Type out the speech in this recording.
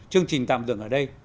chương trình tạm dừng ở đây